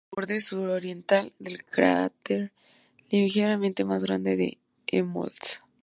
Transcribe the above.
Está unido al borde suroriental del cráter ligeramente más grande Helmholtz.